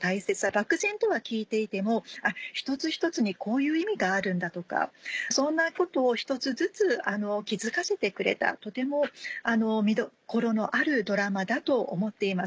漠然とは聞いていても一つ一つにこういう意味があるんだとかそんなことを一つずつ気付かせてくれたとても見どころのあるドラマだと思っています。